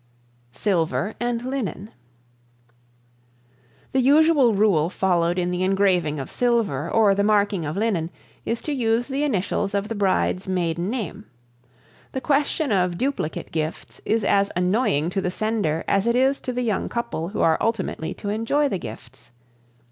Silver and Linen. The usual rule followed in the engraving of silver or the marking of linen is to use the initials of the bride's maiden name. The question of duplicate gifts is as annoying to the sender as it is to the young couple who are ultimately to enjoy the gifts.